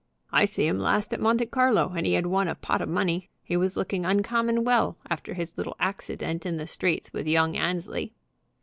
I see him last at Monte Carlo, and he had won a pot of money. He was looking uncommon well after his little accident in the streets with young Annesley."